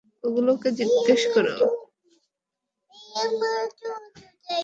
এ গুলোকে জিজ্ঞেস কর।